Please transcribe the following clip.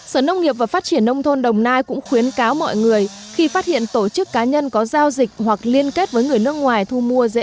sở nông nghiệp và phát triển nông thôn đồng nai cũng khuyến cáo mọi người khi phát hiện tổ chức cá nhân có giao dịch hoặc liên kết với người nước ngoài thu mua